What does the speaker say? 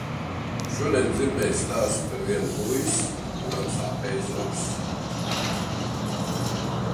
Šodien dzirdēju stāstu par vienu puisi, kuram sāpējis zobs.